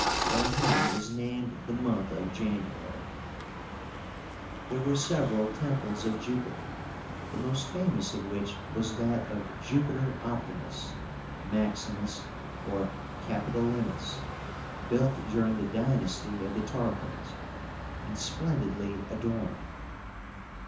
From him is named the month of January. (Illustration: ROME AND ENVIR.) There were several temples of Jupiter, the most famous of which was that of Jupiter Optimus, Maximus, or Capitolínus, built during the dynasty of the Tarquins, and splendidly adorned.